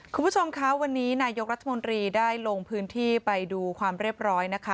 คุณผู้ชมคะวันนี้นายกรัฐมนตรีได้ลงพื้นที่ไปดูความเรียบร้อยนะคะ